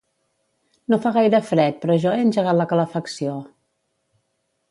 No fa gaire fred però jo he engegat la calefacció